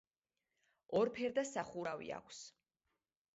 ორფერდა სახურავი აქვს.